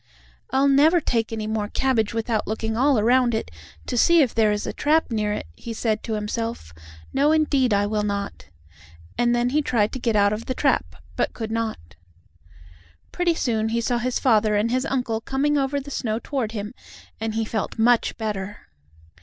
"I'll never take any more cabbage without looking all around it, to see if there is a trap near it," he said to himself. "No indeed I will not," and then he tried to get out of the trap, but could not. Pretty soon he saw his father and his uncle coming over the snow toward him, and he felt much better.